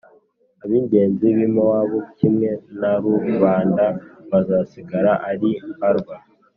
ab’ingenzi b’i Mowabu kimwe na rubanda bazasigara ari mbarwa.